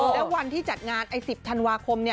แล้ววันที่จัดงานไอ้๑๐ธันวาคม